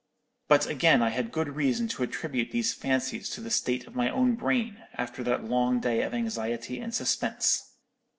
But again I had good reason to attribute these fancies to the state of my own brain, after that long day of anxiety and suspense.